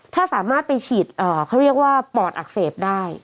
ถ้าสามารถไปฉีดเขาเรียกว่าปอดอักเสบได้